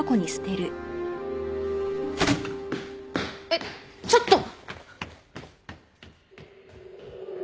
えっちょっと！